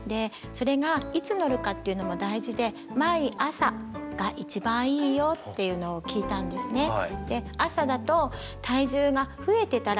それがいつ乗るかっていうのも大事で毎朝が一番いいよっていうのを聞いたんですね。